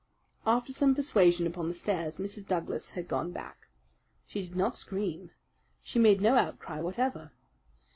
After some persuasion upon the stairs Mrs. Douglas had gone back. She did not scream. She made no outcry whatever.